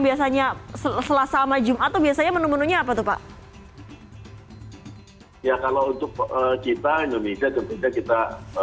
biasanya selesai sama jumat biasanya menurutnya apa tuh pak ya kalau untuk kita indonesia kita